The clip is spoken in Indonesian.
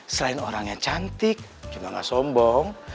selain orangnya cantik juga gak sombong